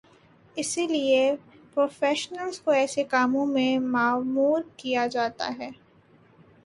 اسی لیے پروفیشنلز کو ایسے کاموں پہ مامور کیا جاتا ہے۔